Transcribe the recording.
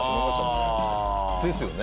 ですよね？